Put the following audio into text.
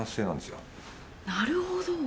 なるほど。